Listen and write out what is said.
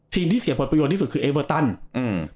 ที่เสียผลประโยชน์ที่สุดคือเอเวอร์ตันอืม